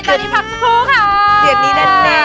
ตอนนี้พักสักครู่ค่ะ